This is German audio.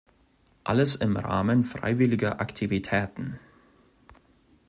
Alles im Rahmen freiwilliger Aktivitäten.